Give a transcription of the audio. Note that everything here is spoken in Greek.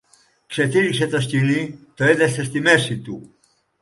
Ξετύλιξε το σκοινί, το έδεσε στη μέση του